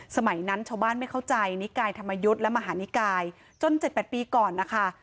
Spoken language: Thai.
สมัยนั้นชาวบ้านไม่เข้าใจนิกายธรรมยุทธ์และมหานิกายจน๗๘ปีก่อนนะคะ